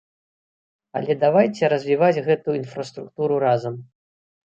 Але давайце развіваць гэтую інфраструктуру разам.